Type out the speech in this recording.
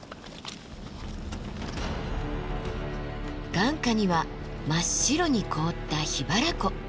眼下には真っ白に凍った桧原湖。